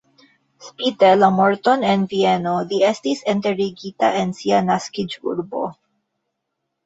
Spite la morton en Vieno li estis enterigita en sia naskiĝurbo.